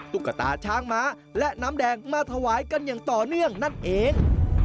ตุ๊กตาช้างม้าและน้ำแดงมาถวายกันอย่างต่อเนื่องนั่นเอง